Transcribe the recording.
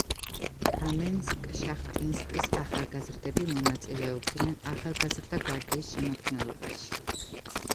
კამენსკ-შახტინსკის ახალგაზრდები მონაწილეობდნენ ახალგაზრდა გვარდიის შემადგენლობაში.